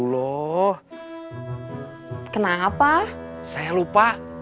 ya udah kita pengen d concert oppa